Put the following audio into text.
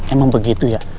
emang begitu ya